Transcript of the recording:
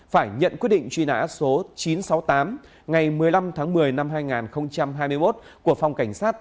phải nhận quyết định truy nã số chín trăm sáu mươi tám ngày một mươi năm tháng một mươi năm hai nghìn hai mươi một của phòng cảnh sát